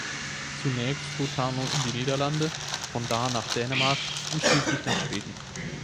Zunächst floh Tarnow in die Niederlande, von da nach Dänemark und schließlich nach Schweden.